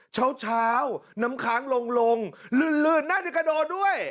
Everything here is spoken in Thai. เช้าน้ำค้างลงลื่นน่าจะกระโดดด้วย